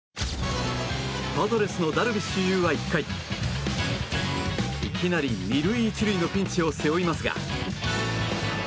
パドレスのダルビッシュ有は１回いきなり２塁１塁のピンチを背負いますが。